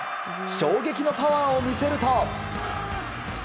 衝撃のパワーを見せると。